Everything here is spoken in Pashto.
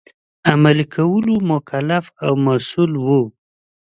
عملي کولو مکلف او مسوول وو.